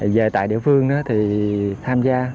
về tại địa phương thì tham gia